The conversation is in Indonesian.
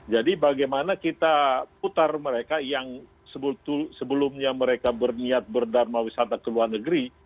jadi bagaimana kita putar mereka yang sebelumnya mereka berniat berdarmawisata ke luar negeri